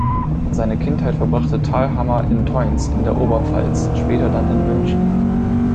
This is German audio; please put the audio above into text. Seine Kindheit verbrachte Thalhammer in Teunz in der Oberpfalz, später dann in München.